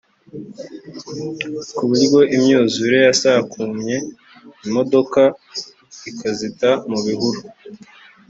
ku buryo imyuzure yasakumye imodoka ikazita mu bihuru